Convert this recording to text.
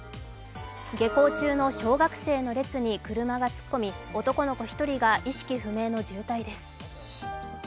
下校中の小学生の列に車が突っ込み、男の子１人が意識不明の重体です。